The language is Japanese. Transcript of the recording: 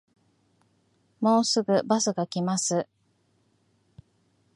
もうすぐバスが来ます